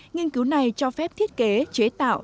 nghiên cứu này cho phép thiết kế chế tạo